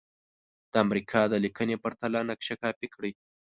د امریکا د لیکنې پرته نقشه کاپې کړئ.